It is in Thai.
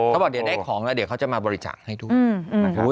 เขาบอกเดี๋ยวได้ของแล้วเดี๋ยวเขาจะมาบริจาคให้ด้วย